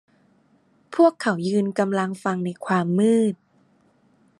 พวกเขายืนกำลังฟังในความมืด